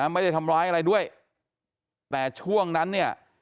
ไม่ได้ทำร้ายอะไรด้วยแต่ช่วงนั้นเนี่ย